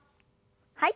はい。